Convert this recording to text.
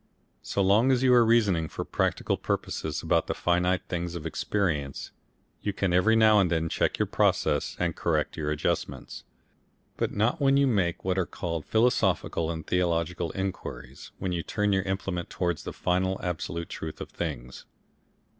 So long as you are reasoning for practical purposes about the finite things of experience, you can every now and then check your process, and correct your adjustments. But not when you make what are called philosophical and theological inquiries, when you turn your implement towards the final absolute truth of things.